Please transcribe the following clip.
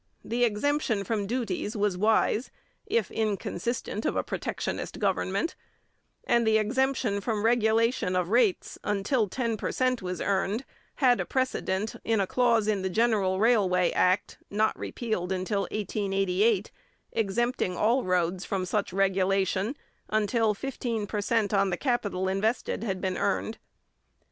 The exemption from duties was wise, if inconsistent in a protectionist government, and the exemption from regulation of rates until ten per cent was earned had a precedent in a clause in the General Railway Act, not repealed until 1888, exempting all roads from such regulation until fifteen per cent on the capital invested had been earned.